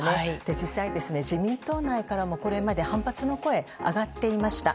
実際、自民党内からも、これまで反発の声上がっていました。